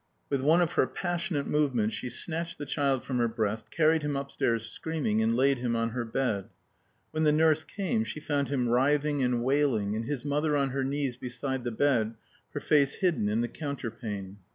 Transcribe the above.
With one of her passionate movements, she snatched the child from her breast, carried him upstairs screaming and laid him on her bed. When the nurse came she found him writhing and wailing, and his mother on her knees beside the bed, her face hidden in the counterpane.